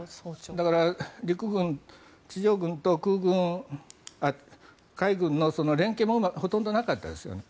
だから地上軍と海軍の連携もほとんどなかったですよね。